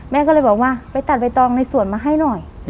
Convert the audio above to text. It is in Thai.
แม่ก็เลยบอกว่าไปตัดใบตองในสวนมาให้หน่อย